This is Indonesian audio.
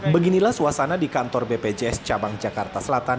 beginilah suasana di kantor bpjs cabang jakarta selatan